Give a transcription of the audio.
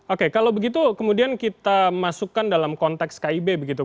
oke kalau begitu kemudian kita masukkan dalam konteks kib begitu